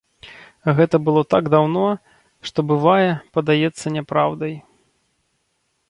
Гэта было так даўно, што, бывае, падаецца няпраўдай.